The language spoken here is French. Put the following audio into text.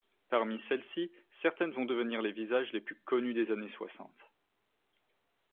Parmi celles-ci, certaines vont devenir les visages les plus connus des années soixante.